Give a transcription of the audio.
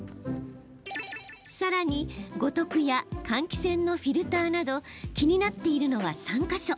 さらに、五徳や換気扇のフィルターなど気になっているのは３か所。